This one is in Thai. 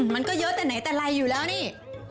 มันก็เยอะแต่ไหนแต่ไรอยู่แล้วนี่